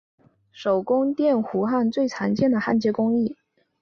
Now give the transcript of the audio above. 手工电弧焊最常见的焊接工艺。